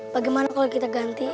bagaimana kalau kita ganti